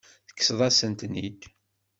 Tekkseḍ-asen-ten-id.